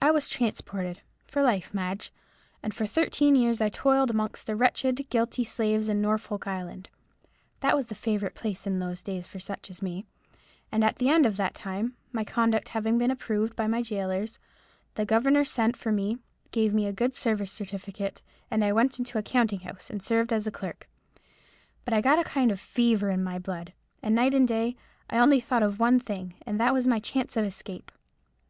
I was transported, for life, Madge; and for thirteen years I toiled amongst the wretched, guilty slaves in Norfolk Island—that was the favourite place in those days for such as me—and at the end of that time, my conduct having been approved of by my gaolers, the governor sent for me, gave me a good service certificate, and I went into a counting house and served as a clerk. But I got a kind of fever in my blood, and night and day I only thought of one thing, and that was my chance of escape.